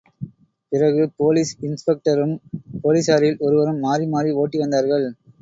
பிறகு போலீஸ் இன்ஸ்பெக்டரும் போலீசாரில் ஒருவரும் மாறி மாறி ஓட்டி வந்தார்கள்.